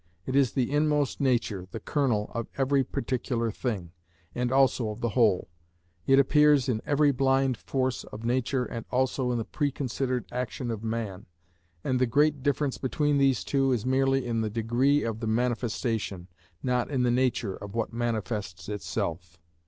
It is the inmost nature, the kernel, of every particular thing, and also of the whole. It appears in every blind force of nature and also in the preconsidered action of man; and the great difference between these two is merely in the degree of the manifestation, not in the nature of what manifests itself.